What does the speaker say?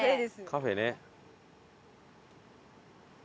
カフェね。